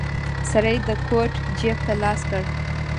سړی د کوټ جيب ته لاس کړ.